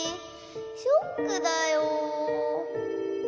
ショックだよ。